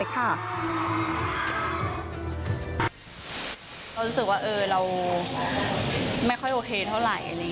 เรารู้สึกว่าเราไม่ค่อยโอเคเท่าไหร่